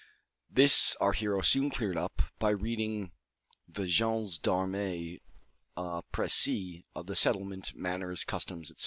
This our hero soon cleared up by reading the gens d'armes a précis of the settlement, manners, customs, &c.